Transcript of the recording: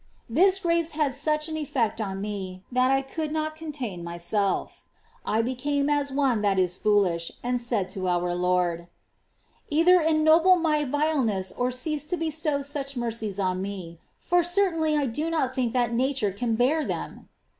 This grace had such an effect on me, that I could not contain myself: I became as one that is foolish, and said to our Lord :" Either ennoble my yileness or cease to bestow such mercies on me, for certainly I do not think that nature can bear them."